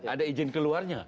ada izin keluarnya